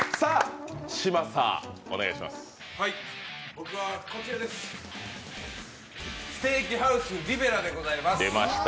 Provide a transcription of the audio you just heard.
僕はこちらです、ステーキハウスリベラでございます。